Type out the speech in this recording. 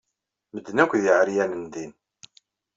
Medden akk d iɛeryanen din.